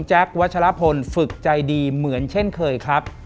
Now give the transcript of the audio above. วัชลพลฝึกใจดีเหมือนเช่นเคยครับ